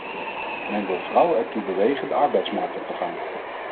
Men wil vrouwen ertoe bewegen de arbeidsmarkt op te gaan.